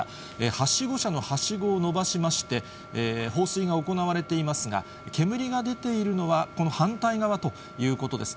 はしご車のはしごを伸ばしまして、放水が行われていますが、煙が出ているのは、この反対側ということです。